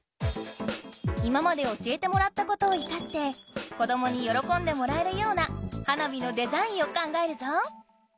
今まで教えてもらったことを生かして子どもに喜んでもらえるような花火のデザインを考えるぞ。